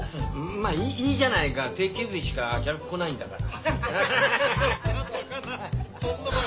まぁいいじゃないか定休日しか客来ないんだから。